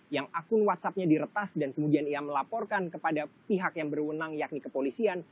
yang akun whatsappnya diretas dan kemudian ia melaporkan kepada pihak yang berwenang yakni kepolisian